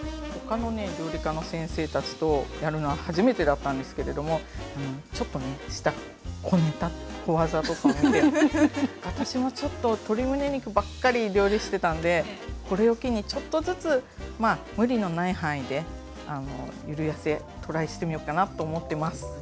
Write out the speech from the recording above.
他の料理家の先生たちとやるのは初めてだったんですけれどもちょっとした小ネタ小ワザとかを見て私もちょっと鶏むね肉ばっかり料理してたんでこれを機にちょっとずつ無理のない範囲でゆるやせトライしてみようかなと思ってます。